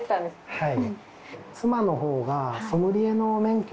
はい。